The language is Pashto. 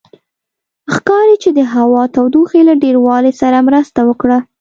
ښکاري چې د هوا تودوخې له ډېروالي سره مرسته وکړه.